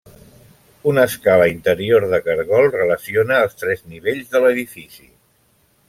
Una escala interior de caragol relaciona els tres nivells de l'edifici.